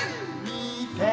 「みて」